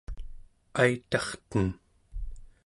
aitarten